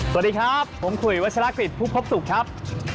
สวัสดีครับผมคุยวัชลากฤษผู้พบสุขครับ